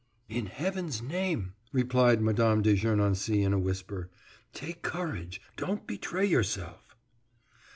"In Heaven's name," replied Mme. de Gernancé in a whisper, "take courage! Don't betray yourself!"